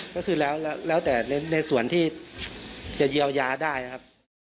ก็คือแล้วแต่ในส่วนที่จะเยียวยาได้ครับ